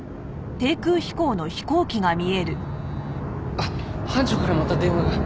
あっ班長からまた電話が。